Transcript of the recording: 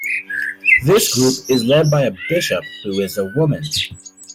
This group is led by a bishop who is a woman.